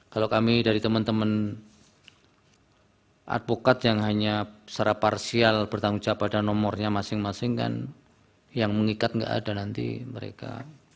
kalau kami dari teman teman advokat yang hanya secara parsial bertanggung jawab pada nomornya masing masing kan yang mengikat nggak ada nanti mereka